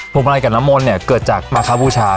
ภูมาลัยกับน้ำมนต์เกิดจากมาคาบูชา